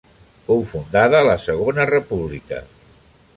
Fou fundada la Segona República.